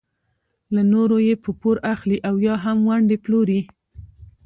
له نورو یې په پور اخلي او یا هم ونډې پلوري.